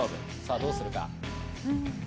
どうするか。